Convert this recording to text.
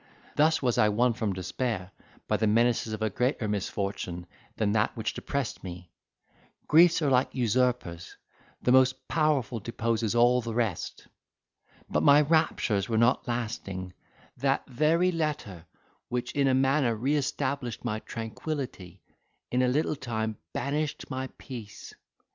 Thus was I won from despair by the menaces of a greater misfortune than that which depressed me. Griefs are like usurpers,—the most powerful deposes all the rest. But my raptures were not lasting: that very letter which in a manner re established my tranquillity, in a little time banished my peace.